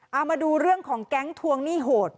เอามาดูเรื่องของแก๊งทวงหนี้โหด